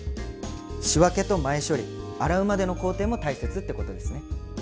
仕分けと前処理洗うまでの工程も大切ってことですね。